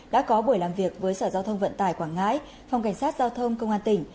đã có buổi làm việc với sở giao thông vận tải quảng ngãi phòng cảnh sát giao thông công an tỉnh